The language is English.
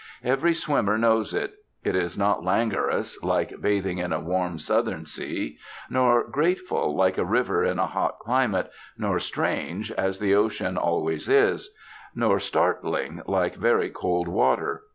Every swimmer knows it. It is not languorous, like bathing in a warm Southern sea; nor grateful, like a river in a hot climate; nor strange, as the ocean always is; nor startling, like very cold water.